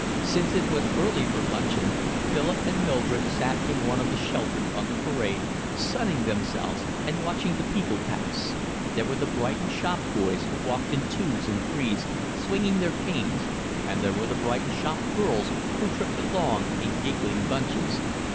Since it was early for luncheon, Philip and Mildred sat in one of the shelters on the parade, sunning themselves, and watched the people pass. There were the Brighton shop boys who walked in twos and threes, swinging their canes, and there were the Brighton shop girls who tripped along in giggling bunches.